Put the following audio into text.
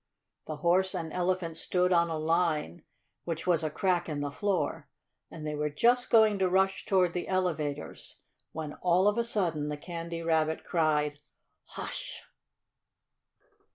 The Horse and Elephant stood on a line, which was a crack in the floor, and they were just going to rush toward the elevators when, all of a sudden, the Candy Rabbit cried: "Hush!"